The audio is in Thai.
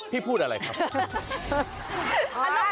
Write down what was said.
พี่พูดอะไรครับ